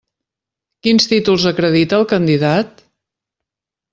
Quins títols acredita el candidat?